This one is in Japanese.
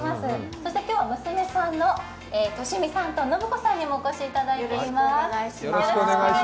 そして今日は娘さんの俊美さんと信子さんにもお越しいただいています。